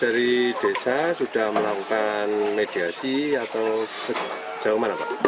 dari desa sudah melakukan mediasi atau sejauh mana pak